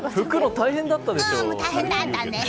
大変だったです！